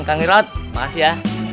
kang irot makasih ya